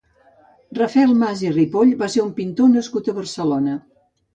Rafael Mas i Ripoll va ser un pintor nascut a Barcelona.